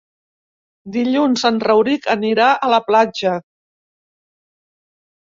Dilluns en Rauric anirà a la platja.